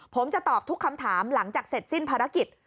ผมจะตอบทุกคำถามหลังจากเสร็จสิ้นภารกิจ